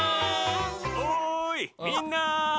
・おいみんな！